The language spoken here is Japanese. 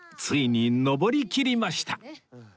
ついに上りきりました